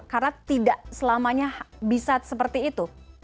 karena tidak selamanya bisa seperti itu